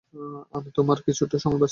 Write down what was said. আমি তোমার কিছুটা সময় বাচিঁয়ে দিবো।